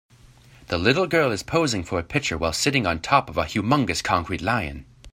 The little girl is posing for a picture while sitting on top of a humongous concrete lion.